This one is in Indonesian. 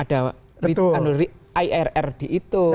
di anurik irr dihitung